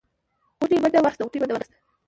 غوټۍ منډه ور واخيسته.